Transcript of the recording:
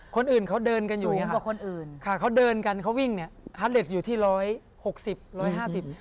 คนอื่นเขาเดินกันอยู่เนี่ยค่ะเขาเดินกันเขาวิ่งเนี่ยฮาร์ดเลสอยู่ที่ร้อยหกสิบร้อยห้าสิบ